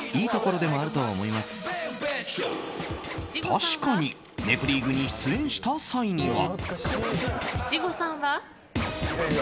確かに「ネプリーグ」に出演した際には。